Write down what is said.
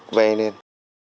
cho vay lên